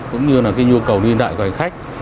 cũng như là nhu cầu liên đại của hành khách